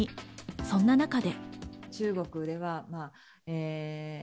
そんな中で。